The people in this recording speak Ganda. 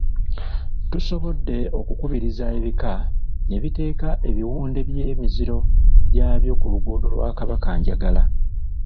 Tusobodde okukubiriza ebika ne biteeka ebiwunde by’emiziro gyabyo ku luguudo lwa Kabakanjagala.